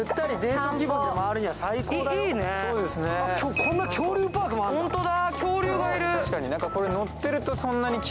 こんな恐竜パークもあるんだ。